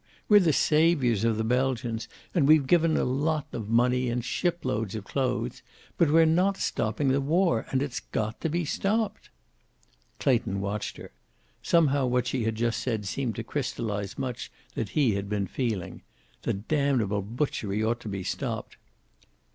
We're the saviors of the Belgians, and we've given a lot of money and shiploads of clothes. But we're not stopping the war. And it's got to be stopped!" Clayton watched her. Somehow what she had just said seemed to crystallize much that he had been feeling. The damnable butchery ought to be stopped.